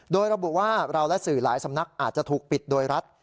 โดยระบุว่าเราและสื่อหลายสำนักอาจจะถูกปิดโดยรัฐ